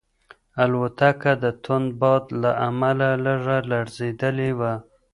الوتکه د توند باد له امله لږه لړزېدلې وه.